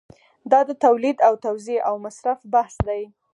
دا د تولید او توزیع او مصرف بحث دی.